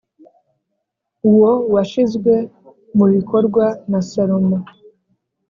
uwo washizwe mu bikorwa na salomo.